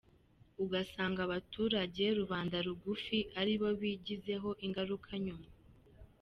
Ugasanga abaturage rubanda rugufi ari bo bigizeho ingaruka nyuma.